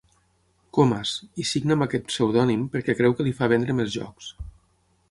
Comas—, i signa amb aquest pseudònim perquè creu que li fa vendre més jocs.